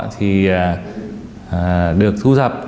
thì được thu dập